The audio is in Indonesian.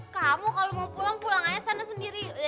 kamu kalo mau pulang pulang aja sana sendiri